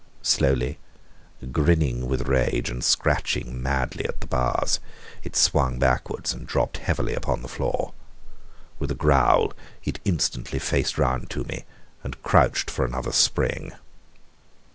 Slowly, grinning with rage, and scratching madly at the bars, it swung backwards and dropped heavily upon the floor. With a growl it instantly faced round to me and crouched for another spring.